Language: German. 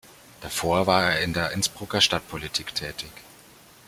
Davor war er in der Innsbrucker Stadtpolitik tätig.